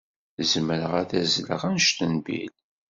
Zemreɣ ad azzleɣ anect n Bill.